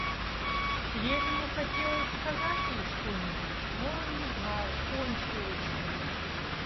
Левину хотелось сказать ей что-нибудь, но он не знал, кончилось ли.